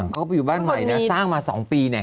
เขาก็ไปอยู่บ้านใหม่นะสร้างมา๒ปีเนี่ย